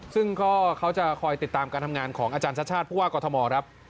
ซึ่งก็เขาจะคอยติดตามการทำงานของอาจารย์ชาติชาติผู้ว่ากอทมครับ